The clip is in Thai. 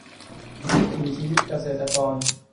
วิถีชีวิตเกษตรกร